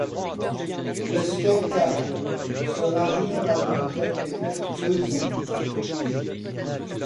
Le spectacle sera généralement d'accueillir deux invités.